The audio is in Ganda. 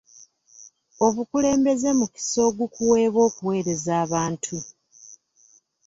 Obukulembeze mukisa ogukuweebwa okuwereza abantu.